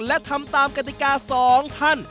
และทำตามกติกา๒ท่าน